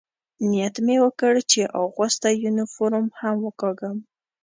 نیت مې وکړ، چې اغوستی یونیفورم هم وکاږم.